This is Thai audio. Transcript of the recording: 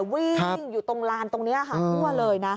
วิ่งอยู่ตรงลานตรงนี้ค่ะทั่วเลยนะ